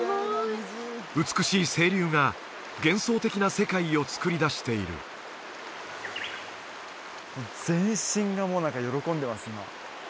美しい清流が幻想的な世界を創り出している全身がもう何か喜んでます